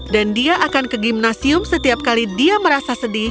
dan dia akan ke gimnasium setiap kali dia merasa sedih